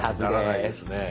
ならないですね。